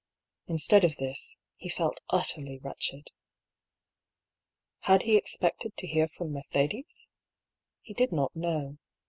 Instead of this, he felt utterly wretched. Had he expected to hear from Mercedes ? He did not know.